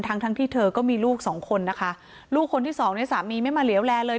ทั้งทั้งที่เธอก็มีลูกสองคนนะคะลูกคนที่สองเนี่ยสามีไม่มาเหลวแลเลย